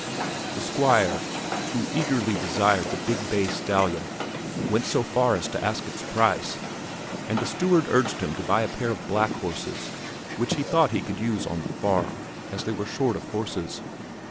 The Squire, who eagerly desired the big bay stallion, went so far as to ask its price, and the steward urged him to buy a pair of black horses, which he thought he could use on the farm, as they were short of horses.